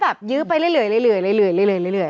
ยื้อไปเรื่อย